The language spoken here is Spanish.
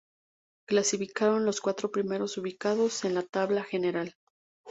Clasificaron los cuatro primeros ubicados en la tabla general.